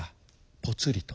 ぽつりと。